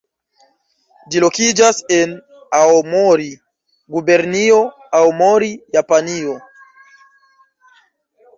Ĝi lokiĝas en Aomori, Gubernio Aomori, Japanio.